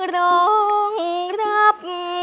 ร้องรับ